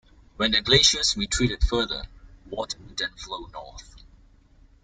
When the glaciers retreated further, water would then flow north.